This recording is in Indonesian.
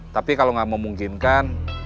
tapi kalau gak memungkinkan